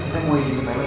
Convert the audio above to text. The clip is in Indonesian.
saya mau ingin ke pelet